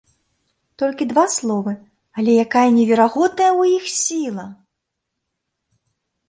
Толькі два словы, але якая неверагодная ў іх сіла!